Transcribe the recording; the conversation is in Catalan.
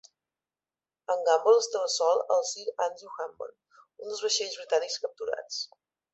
En Gamble estava sol al "Sir Andrew Hammond", un dels vaixells britànics capturats.